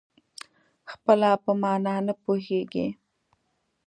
خپله په مانا نه پوهېږي.